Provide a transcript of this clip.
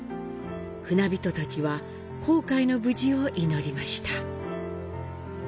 船人たちは航海の無事を祈りました。